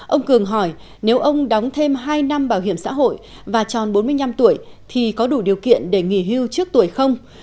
ông cường hỏi nếu ông đóng thêm hai năm bảo hiểm xã hội và tròn bốn mươi năm tuổi thì có đủ điều kiện để nghỉ hưu trước tuổi không